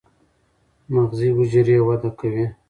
مغزي حجرې وده کوي.